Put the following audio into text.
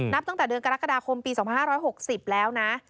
ตั้งแต่เดือนกรกฎาคมปี๒๕๖๐แล้วนะ